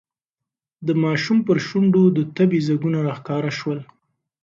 د ماشوم پر شونډو د تبې ځگونه راښکاره شول.